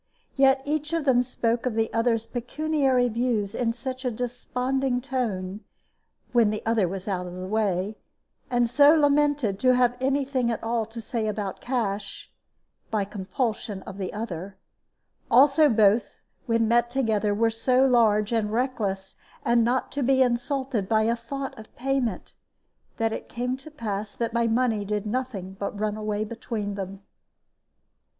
Yet each of them spoke of the other's pecuniary views in such a desponding tone (when the other was out of the way), and so lamented to have any thing at all to say about cash by compulsion of the other also both, when met together, were so large and reckless, and not to be insulted by a thought of payment, that it came to pass that my money did nothing but run away between them.